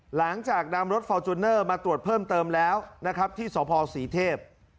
หลังจากนำรถฟอร์จูเนอร์มาตรวจเพิ่มเติมแล้วนะครับที่สภศรีเทพ